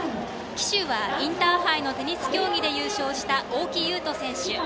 旗手はインターハイのテニス競技で優勝した、大岐優斗選手。